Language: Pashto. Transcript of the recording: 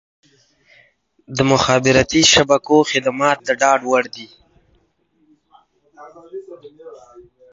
د مخابراتي شبکو خدمات د ډاډ وړ وي.